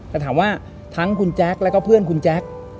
แต่ถามว่าทั้งคุณแจ๊คแล้วก็เพื่อนคุณแจ๊ค